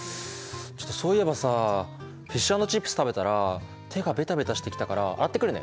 そういえばさフィッシュ＆チップス食べたら手がベタベタしてきたから洗ってくるね。